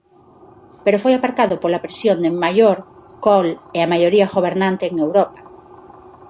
Pero foi aparcado pola presión de Mayor, Kohl e a maioría gobernante en Europa.